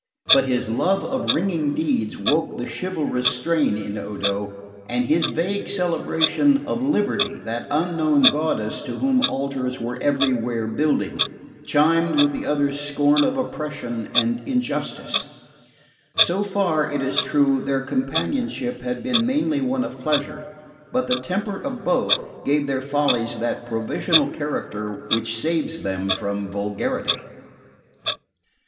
But his love of ringing deeds woke the chivalrous strain in Odo, and his vague celebration of Liberty, that unknown goddess to whom altars were everywhere building, chimed with the other's scorn of oppression and injustice. So far, it is true, their companionship had been mainly one of pleasure; but the temper of both gave their follies that provisional character which saves them from vulgarity.